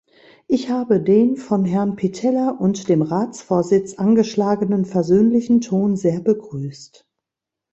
Ich habe den von Herrn Pittella und dem Ratsvorsitz angeschlagenen versöhnlichen Ton sehr begrüßt.